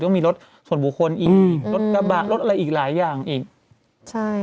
ก็มีรถส่วนบุคคลอีกรถกระบะรถอะไรอีกหลายอย่างอีกใช่